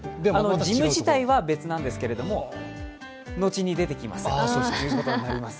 ジム自体は別なんですけれども後に出てくるということになります。